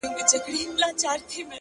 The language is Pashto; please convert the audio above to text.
زما سره اوس لا هم د هغي بېوفا ياري ده _